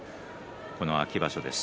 この秋場所です。